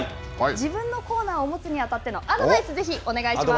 自分のコーナーを持つに当たってのアドバイスをぜひお願いします。